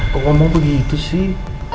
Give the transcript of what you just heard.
kok ngomong begitu sih